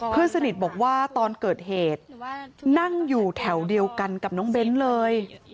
เพื่อนสนิทบอกว่าตอนเกิดเหตุนั่งอยู่แถวเดียวกันกับน้องเบ้นเลย